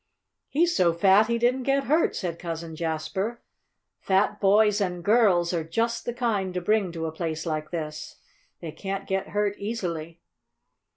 "He's so fat he didn't get hurt," said Cousin Jasper. "Fat boys and girls are just the kind to bring to a place like this. They can't get hurt easily."